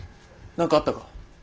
何かあったか？